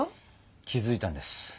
気付いたんです。